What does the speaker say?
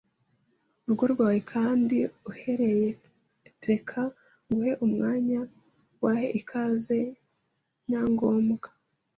rugo rwawe kandi uhiereye reka nguhe umwanya uahe ikaze niia ngomwa